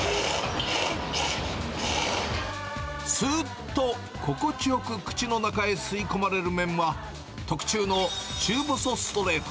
すーっと心地よく口の中へ吸い込まれる麺は、特注の中細ストレート。